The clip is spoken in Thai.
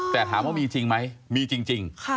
แต่ถามว่ามีจริงไหมมีจริง